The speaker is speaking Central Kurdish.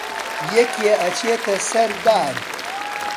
یەکێ ئەچێتە سەر دار